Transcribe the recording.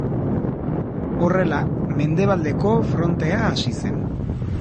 Horrela, Mendebaldeko Frontea hasi zen.